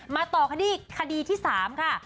มาต่อคดีที่๓ค่ะ